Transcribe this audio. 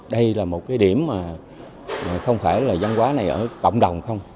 đây là một cái điểm mà không phải là văn hóa này ở cộng đồng không